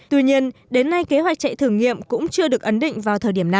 tuy nhiên đến nay kế hoạch chạy thử nghiệm cũng chưa được ấn định vào thời điểm này